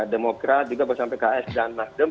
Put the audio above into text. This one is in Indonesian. demokrat juga bersama pks dan nasdem